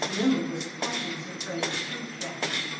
Linley was always afraid of street trash.